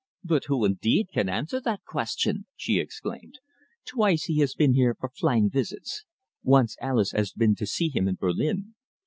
"But who, indeed, can answer that question?" she exclaimed. "Twice he has been here for flying visits. Once Alice has been to see him in Berlin.